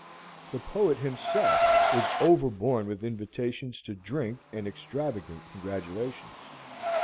The poet himself was overborne with invitations to drink and extravagant congratulations.